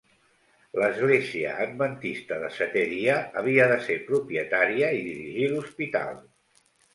L'Església Adventista de Setè Dia havia de ser propietària i dirigir l'hospital.